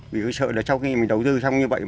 vì sợ là sau khi mình đầu tư xong như vậy